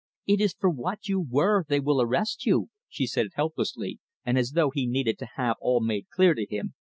"It is for what you were they will arrest you," she said helplessly, and as though he needed to have all made clear to him.